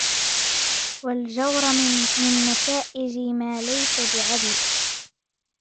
وَالْجَوْرَ مِنْ نَتَائِجِ مَا لَيْسَ بِعَدْلٍ